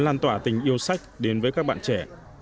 lan tỏa tình yêu sách đến với các bạn trẻ